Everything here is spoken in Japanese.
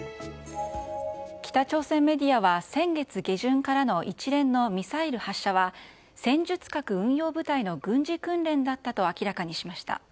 北朝鮮メディアは先月下旬からの一連のミサイル発射は、戦術核運用部隊の軍事訓練だったと明らかにしました。